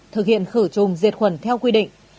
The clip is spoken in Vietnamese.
thực hiện khử trùng diệt khuẩn theo quy định